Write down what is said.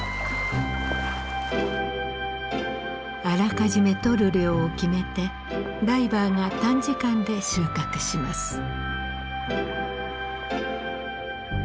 あらかじめとる量を決めてダイバーが短時間で収穫します。